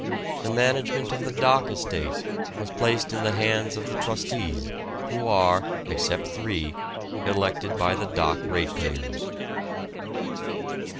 The management of the dock estate was placed in the hands of the trustees, who are, except three, elected by the dock ratepayers.